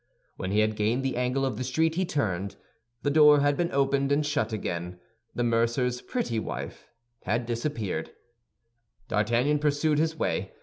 When he had gained the angle of the street, he turned. The door had been opened, and shut again; the mercer's pretty wife had disappeared. D'Artagnan pursued his way.